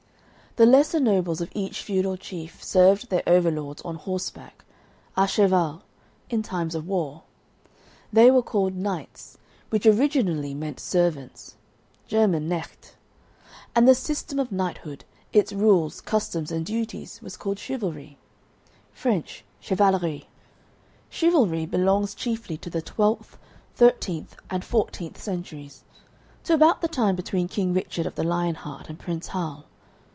The lesser nobles of each feudal chief served their overlords on horseback, à cheval, in times of war; they were called knights, which originally meant servants, German knechte; and the system of knighthood, its rules, customs, and duties, was called chivalry, French chevalerie. Chivalry belongs chiefly to the twelfth, thirteenth, and fourteenth centuries, to about the time between King Richard of the Lion Heart and Prince Hal.